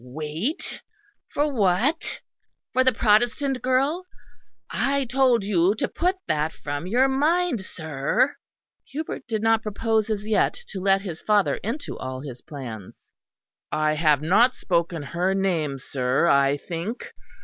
Wait? For what? For the Protestant girl? I told you to put that from your mind, sir." Hubert did not propose as yet to let his father into all his plans. "I have not spoken her name, sir, I think.